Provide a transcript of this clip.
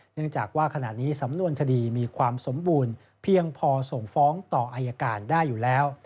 เนื่องจากว่าขณะนี้สำนวนคดีมีความสมบูรณ์เพียงพอส่งฟ้องต่ออายการได้อยู่แล้ว